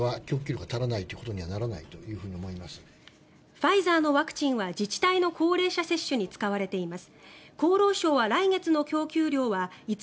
ファイザーのワクチンは自治体の高齢者接種に使われています。